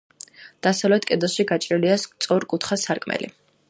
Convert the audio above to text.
დასავლეთ კედელში გაჭრილია სწორკუთხა სარკმელი.